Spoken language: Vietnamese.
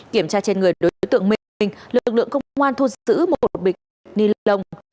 kiểm tra trên người đối tượng minh lực lượng công an thu giữ một bịch ni lông